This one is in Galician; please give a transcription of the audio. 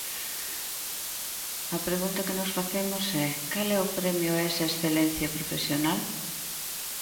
A pregunta que nos facemos é: ¿cal é o premio a esa excelencia profesional?